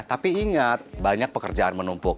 tapi ingat banyak pekerjaan menumpuk